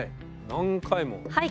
何回も。